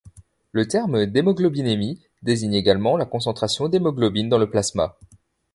Le terme d'hémoglobinémie désigne également la concentration d'hémoglobine dans le plasma.